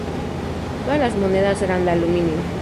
Todas las monedas eran de aluminio.